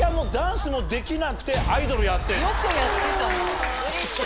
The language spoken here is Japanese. よくやってたな。